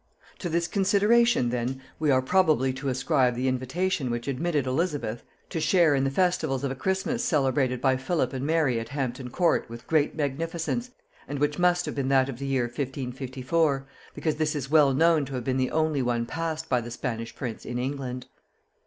To this consideration then we are probably to ascribe the invitation which admitted Elizabeth to share in the festivals of a Christmas celebrated by Philip and Mary at Hampton Court with great magnificence, and which must have been that of the year 1554, because this is well known to have been the only one passed by the Spanish prince in England.